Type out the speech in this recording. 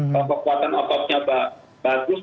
kalau kekuatan ototnya bagus atau tidak itu bergantung